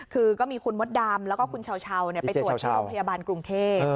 คือก็มีคุณมดดำแล้วก็คุณเช้าไปตรวจที่โรงพยาบาลกรุงเทพ